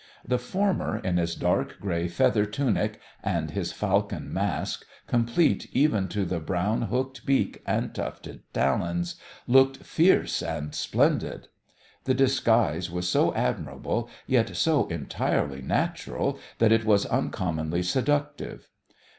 The former in his dark grey feather tunic, and his falcon mask, complete even to the brown hooked beak and tufted talons, looked fierce and splendid. The disguise was so admirable, yet so entirely natural, that it was uncommonly seductive.